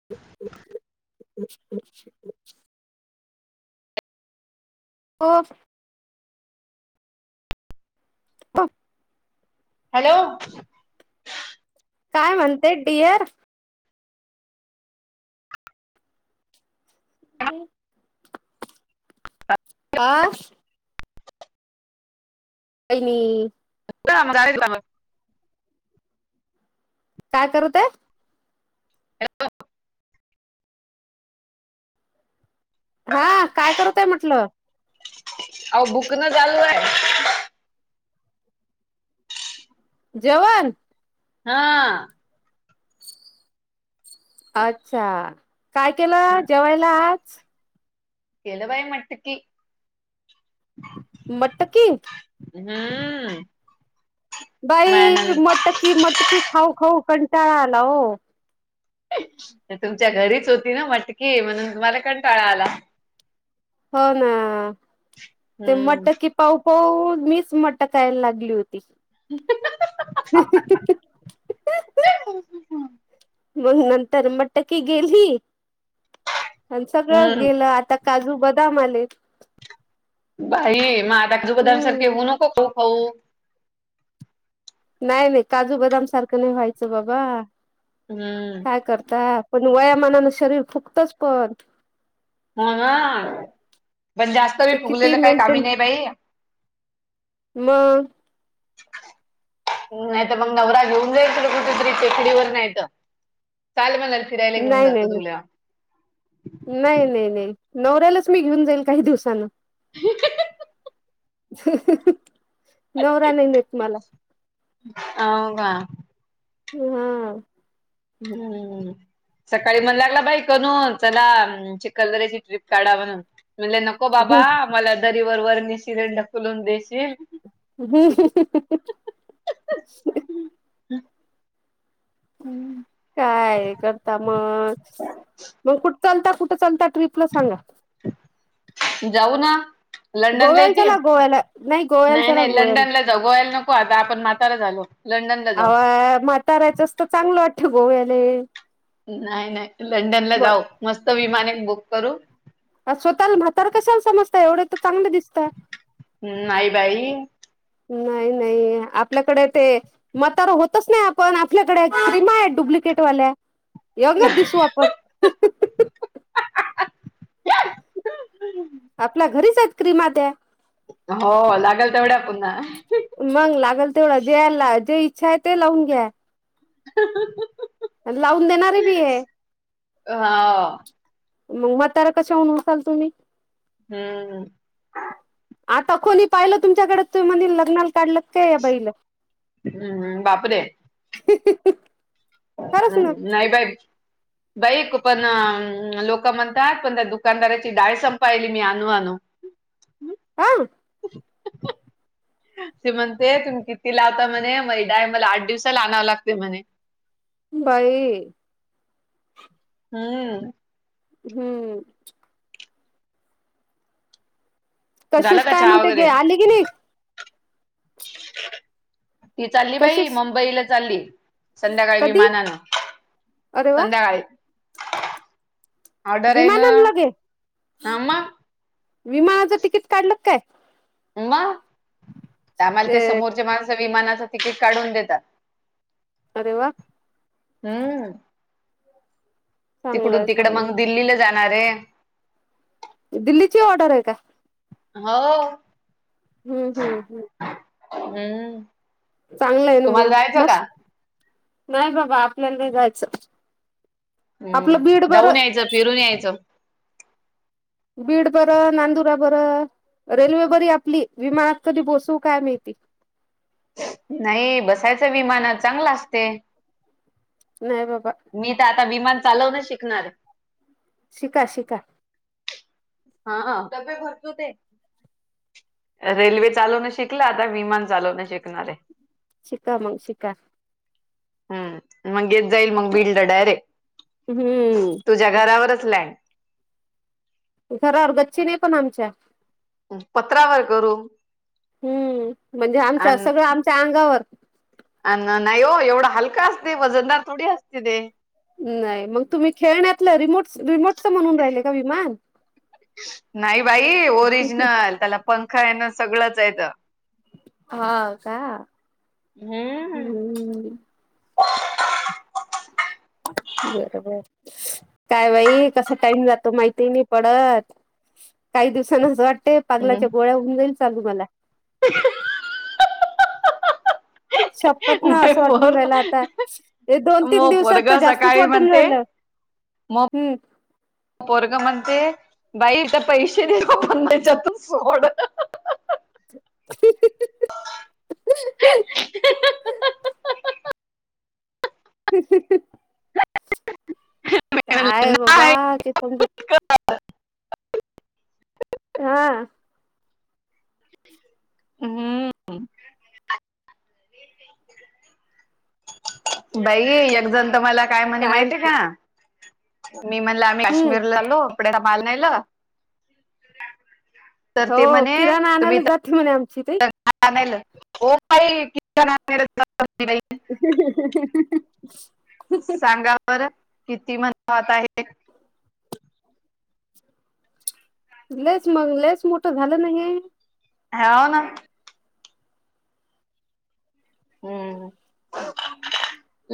च्च्छ हो हफ हॅलो काय म्हणते डिअर ह आ काही नाही गा काय करतय हा काय करतय म्हटलं आ बुक ना जल नाही आहे जवन हा अच्छा काय केलं जेवायला आज केलवाय मटकी मटकी हम्म माया बाई नंद मटकी मटकी खाऊ खाऊ कंटाळा आला हो तुमच्या घरीच होती ना मटकीे म्हणून तुम्हाला कं टाळा आला हो ना ते हम्म म्हटत कि पाऊ पाऊ मीच मटकायला लागली होती ह मग नंतर म्हटत की गेली आणि सगळंच हम्म गेलं आता काजू बदाम आलेत भाई मा आताा कजू हम्म बदासारखेवऊ नको क खऊ नाही नाही काजू बदाम सारखं नाही व्हायचं बाबा हम्म काय करता पण वयामानानं शरीर फुकतच पण ह पण जास्त ते किती उलेलं काही कामी मेंटेन नाही बाई म नाही तर मग नवरा घेऊन जायचल कुठेतरी टेकडीवर नाहीत चाल मला फिरायला घेऊन नाही नाही जातं तुला नाही नाही नाही नवऱ्यालाच मी घेऊन जाईल काही दिवसाांन नवरा नाही न म्हाला हो का ह हम्म सकाळी म्हण लागला बाई कनून चला कलदऱ्याची ट्र्रीप काढा म्हणून म्हण न नको बाबा मला दरीवर वरणी सिलेंडर फुलून देशील हो हम्म काय करता मग मग कुठ चालता कुठं चालता ट्रीपला सांगा जाऊ ना लंडनला गोव्याला येते चला गोव्याला गोव्याला नाही चला नाही गोव्याला लंडनला जगवायला नको आता आपण माताला झालो लंडन ला जाऊ तारायचं असतं चांगलं वाट ठव गो्याले नाही नाही लंडन ला जाऊ मस्त विमान एक बुक करू ह स्वतःला भातार कशला समजता एवढं तर चांगलं दिसत नाही बाई नाही नाही आपल्याकडे ते मतार होतच नाही आपण आपल्याकडे क्रीमा आहेत डुप्लिकेट वाल्या एगलच दिसू आपण आपल्या घरीच आहेत क्रिमा द्या हो लागेल तेवढ्या पुन्हा मग लागल तेवढं जे जे इच्छा आहे ते लावून घ्या आणि लावून देणारी बी आहे. अ हो मग म्हातार कशाहऊन होतात तुम्ही हम्म आता कोणी पाहिलं तुमच्याकडे म्हण लग्नाला काढलं काय या बाईला हम्म् बापरे खरंच ना हम् नाही बाई बाईक पण लोक म्हणतात पण त्या दुकानदाराची डाळ संपायली मी आणनू आणनू आ ते म्हणते तुम्ही किती लावता म्हणे मैदाय मला आठ दिवसाला आणवं लागते म्हणे बाई हम्म हम्म झालं तशीच का काय चहा म्हणते गे वगैरे आली की नाही. ती चालली बाई कशीस मुंबईला चालली. संध्याकाळी कधी विमानानं अरे वा संध्याकाळी ऑर्डर आहे ना विमानान लगे हा मग विमानाचं तिकीट काढलं काय मग त्याम्हाला ते काय समोरच्या माणस विमानाचं तिकीट काढून देतात. अरे वा हम्म तिकडून चांगलंय तिकड चांगलं मग दिल्लीला जाणार आहे. दिल्लीची ऑर्डर आहे का हो हम्म हम्म हम् हम्म चांगलं आहे ना तुम्हाला मग जायचं का मस्त नाही बाबा आपल्याला जायचं आपलं हम्म बीड बरं जाऊन यायचं फिरून यायचं बीड बरं नांदुरा बरं रेल्वे बरी आपली विमानात कधी बसू काय माहिती नाही बसायचं विमानात चांगलं असते. हय बाबा मी तर आता विमान चालवणच शिकणार आहे. शिका शिका हाा कपे भरचू ते रेल्वे चालवण शिकला आता विमान चालवणं शिकणार आहे. शिका मग शिका हम् मग येत जाईल मग बीडला डायरेक्ट हम्म तुझ्या घरावरच लँड घरावर गच्ची नाही पण आमच्या पत्रावर करू हम्म म्हणजे आमच्या आणि सगळं आमच्या अंगावर अ नाही हो एवढा हलका असते वजनदार थोडी असते ते नाही मग तुम्ही खेळण्यातलं रिमोट रिमोट नाही बाई ओरिजनल त्याला पंखा आहे ना सगळंच आहेेत हा का हम ह बरोबर काय बाई कसा टाईम जातो माहिती नाही पडत काही दिवसांनाच वाटते पागलाच्या गोळ्या होऊन जाईल चालू मला ह शपथ ना असं वाटून रालं मोर आता हे दोन तीन मग पोरग दिवसात तर जास्तच सकाळी वाटून म्हणते राहिलं हम पोरगं म्हणते बाई तर पैसे नाही ग म्हणच्यातून सोड [unintelligible] ह काय बाबा ते समज ह हा हम्म हो् बाई एकजण त मला काय म्हणे माहितीय का मी म्हणलं आम्ही हम्म काश्मीर ला आलो आपडे माल नाहीला हो किराणा आणायला जातली म्हणे आमची ते ओ ताई [unintelligible] सांगावर किती मनात आहे लेस मग लेस मोठं झालं नाही हाव ना हम्म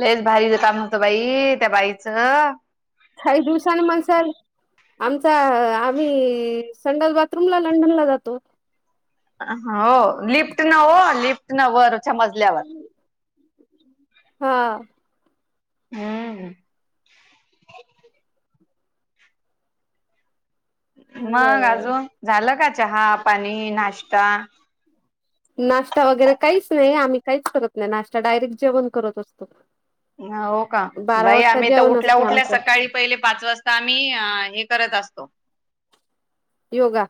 लेस भारीच काम नव्हतं बाई त्या बाईचं काही दिवसांनी म्हण सर आमचा आम्ही संडल बाग तुमला लंडनला जातो हो लिफ्ट नव लिफ्ट न वर मजल्यावर हा हम् मग बरे अजून झालं का चहा पाणी नाश्ता नाश्ता वगैरे काहीच नाही आम्ही काहीच करत नाही नाश्ता डायरेक्ट जेवण करत असतो हो का बारा बाई वाजता आम्ही तर जेवण उठल्या असते उठल्या आमचं सकाळी पहिले पाच वाजता आम्ही हे करत असतो योगा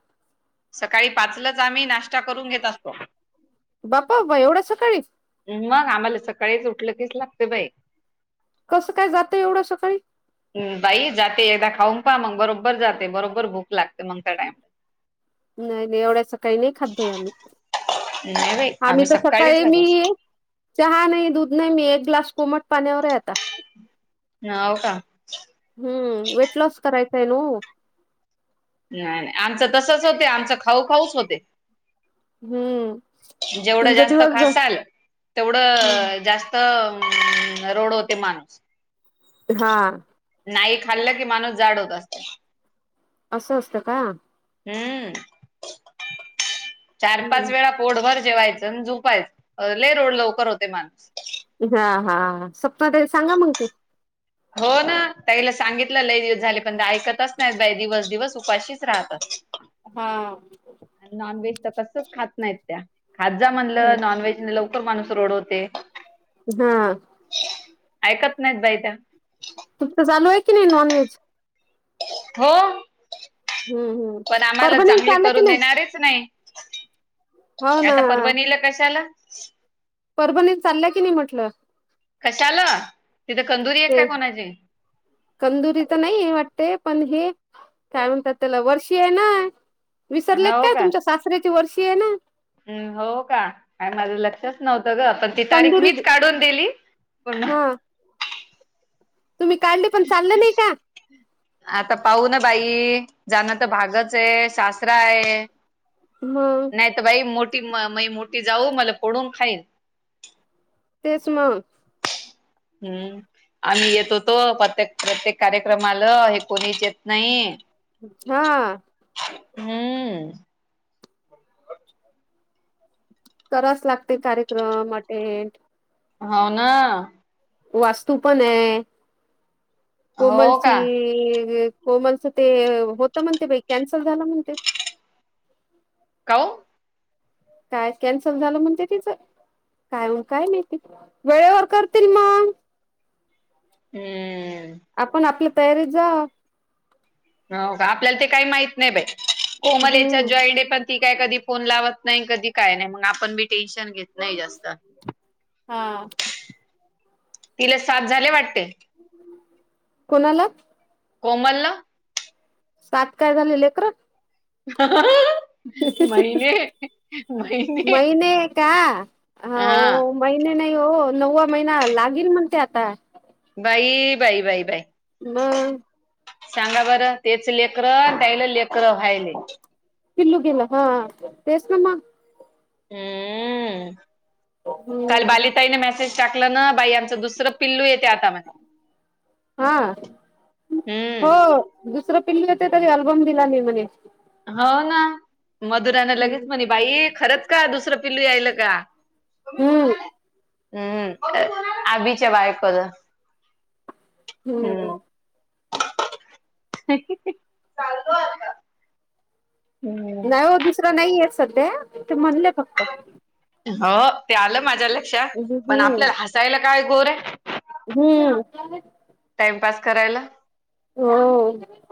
सकाळी पाचलच आम्ही नाश्ता करून घेत असतो बापा एवढं सकाळीच मग आम्हाला सकाळीच उठलं कीच लागत बाई कसं काय जात एवढं सकाळी बाई जाते एकदा खाऊन पहा मग बरोबर जाते बरोबर भूक लागते मग त्या टाइम नाही नाही एवढ्या सकाळी नाही खात भोय आम्ही नाही बाई आम्ही तर सकाळीच सकाळी खात मी असतो चहा नाही दूध नाही मी एक ग्लास कोमट पाण्यावर आहे आता ह हो का हम्म वेट लॉसकरारयतायन नाही नाही आमचं तसच होते आमचं खाऊ खाऊच होते हम्म जेवढं तुमचा जास्त दिवसभर खसाल तेवढं जास्त तर रोड होते माणूस हा नाही खाल्लं की माणूस जाड होत असत असं असतं का? हम्म चार हम्म पाच वेळा रोडवरर जेवायचं आणि झुपायचं ले रोड लवकर होते. माणूस हां हां स्वप्न तरी सांगा मग ते हो ना त्याला सांगितलं लई झाली पण ते ऐकतच नाहीत बाई दिवस दिवस उपाशीच राहतात. हां नॉनव्हेज तर कसं खात नाहीत त्या.. खाजा हम्म म्हणलं नॉनव्हेज लवकर माणूस रोडवते. हा ऐकत नाहीत बाई त्या.. तचालू आहे. की नाही नॉन व्हेज हो. हम्म हम्म. पण आम्हाला परभणीला चांगली चाललं की करून नाही देणारच नाही. हो ना आता परवणीलं कशाला? परभणी चालल्या की नाही म्हटलं.. कशा आला तिथे कंदुरी आहे काय कोणाची.. तंदुरी तर नाही वाटते. पण हे काय म्हणतात त्याला वर्षी आहे ना विसरले हो काय तुमच्या सासऱ्याची वर्षी आहे ना हम्म हो का आणि माझं लक्ष नव्हत ग पण ती तारीख कंदुरी मीच काढून दिली. पण मग हा तुम्ही काढली पण चाल नाही का? आता पाहू ना बाई जाण तर भागच आहे शास्र आहे. हम्म.. नाही तर बाई मोठी म मोठी जाऊ मला पडून खाईन तेच मग.. हम्म आणिम येत होतो. प्रत्येक प्रत्येक कार्यक्रमाला हे कोणी ज. नाही हा हम्म. कराच लागते. कार्यक्रम अटेंट. होा ना. वास्तू पण आहे हो कोमलची का हो म्हणस ते होत म्हणतेई कॅन्सल झाला म्हणते. का? काय कॅन्सल झालं म्हणते तिचं. काय काय माती वेळेवर करतील मग हम्. आपण आपल्या तयारीत जा. हो का आपल्याला ते काही माहित नाही बाई कोमलेच्या हम्म जॉयंडे पण. ती काय कधी फोन लावत नाही कधी काय नाही मग आपण बी टेन्शन घेत. नाही जास्त हा तिला सात झाले वाटते. कोणाला? कोमलला. सात काय झालेले आहे. लेकर ख. हंं. महिने महिने आहे का? हा. महिने नाही हो नववा महिना लागेल. म्हणते आता बाई बाई बाई बाई. ब. सांगा बरं तेच लेकर त्याला लेकरं व्हायले. किल्लु गेला हा तेस ना. हम्म काल हम्म बालितााईने मेसेज टाकलं ना बाई आमचं. दुसरं पिल्लू येते. आता म हा हो हम्म. दुसरं पिल्ली होते तरी अल्बम दिला नाही म्हणे. हो ना मधुरानं लगेच म्हणे बाई खरंच का दुसरं पिल्लू यायल का? तुम्ही हम्म कोणाले. हम्म आ बीच बायक ब हम्म. चालतोय. नाहीय हो दुसरं नाहीये सध्या ते म्हणले फक्त हो ते आलं माझ्या लक्षात पण हम्म आपल्याला हसायला काय गोर आहे. हम्म. टाइमपास करायला हो.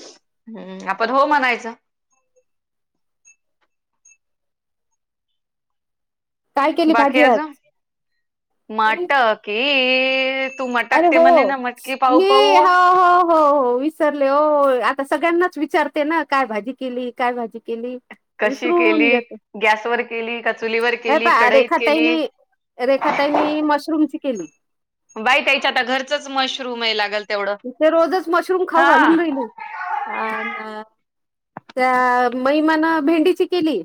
हम्म आपण हो म्हणायचं. काय केली बाकी भाजी आज अजून माट की अरे हो मी ह. हो हो विसरले आता सगळ्यांनाच विचारते ना काय भाजी केली काय भाजी केली. कशी विसरून केली जाते गॅसवरर केली का चुलीवर केली कढईत केली. रेखा ताईनी मशरूमची केली. बाई त्याच्या आता घरचच मशरूम आहे लागल. तेवढं तिथे रोजच मशरूम खाऊ हा घालून राहिले हो. अ त्या महिमान भेंडीची केली.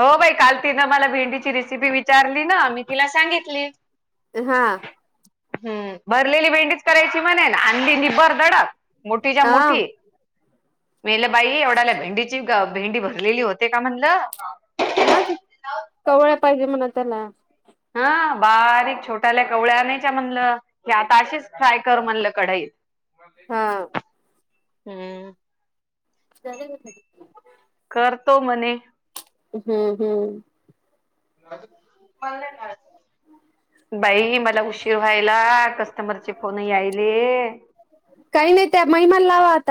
हो बाई काल तिनं मला भेंडीची रेसिपी विचारली ना मी तिला सांगितली हा हम्म भरलेली भेंडीच करायची म्हणे ना आंधी निबर धडक मोठी ज्या हा मोठी मील बाई एवढाला भेंडीची भेंडी भरलेली होते का म्हणलं नाच कवळ्या पाहिजे म्हणा त्याला. हं बारीक छोट्याल्या कवळ्या आणायच्या म्हणलं. कि आता असेच फ्राय कर म्हणलं कढईत हा हम्म सर. करतो म्हणे. हम्म हम्म. पल्ले ना [unintelligible] बाई मला उशीर व्हायला कस्टमरचे फोन यायले. काही नाही त्या महिमाला लावा आता.